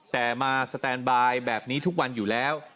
แต่มาสแตนบายแบบนี้ทุกวันอยู่แล้ว